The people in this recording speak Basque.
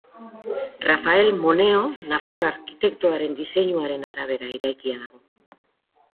Rafael Moneo nafar arkitektoaren diseinuaren arabera eraikia dago.